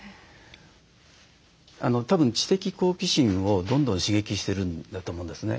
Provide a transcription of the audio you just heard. たぶん知的好奇心をどんどん刺激してるんだと思うんですね。